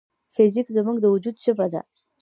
فزیک زموږ د وجود ژبه ده.